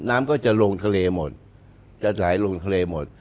น้ำก็จะลงทะเลหมดจะไหลลงทะเลหมด